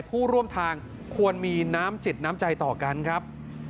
ผู้ร่วมทางควรมีน้ำจิตน้ำใจต่อกันครับ